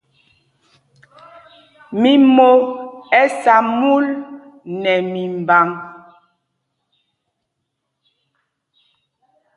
Mimo ɛ sá mul nɛ mimbǎŋ.